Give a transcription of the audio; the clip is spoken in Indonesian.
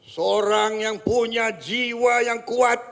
seorang yang punya jiwa yang kuat